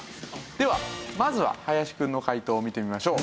ではまずは林くんの解答を見てみましょう。